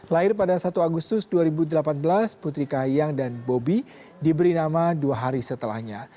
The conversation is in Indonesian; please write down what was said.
lahir pada satu agustus dua ribu delapan belas putri kahiyang dan bobi diberi nama dua hari setelahnya